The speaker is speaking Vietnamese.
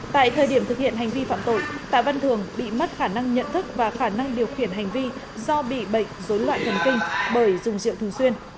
tại thời điểm thực hiện hành vi phạm tội tạ văn thường bị mất khả năng nhận thức và khả năng điều khiển hành vi do bị bệnh dối loạn thần kinh bởi dùng rượu thường xuyên